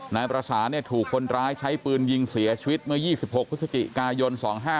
นายประสานถูกคนร้ายใช้ปืนยิงเสียชีวิตเมื่อ๒๖พฤศจิกายน๒๕๖